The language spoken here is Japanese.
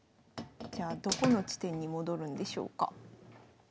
じゃあどこの地点に戻るんでしょうか。